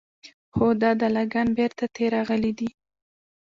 خو دا دله ګان بېرته تې راغلي دي.